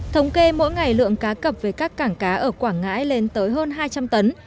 thống kê mỗi ngày lượng cá cập về các cảng cá ở quảng ngãi lên tới hơn hai trăm linh tấn